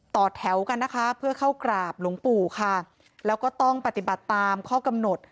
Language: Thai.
ต่อแถวกันนะคะเพื่อเข้ากราบหลวงปู่ค่ะแล้วก็ต้องปฏิบัติตามข้อกำหนด